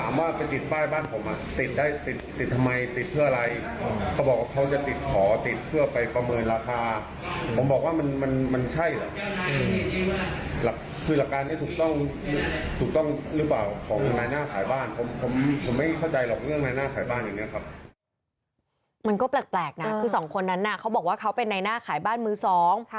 มันก็แปลกนะคือสองคนนั้นเขาบอกว่าเขาเป็นในหน้าขายบ้านมือสอง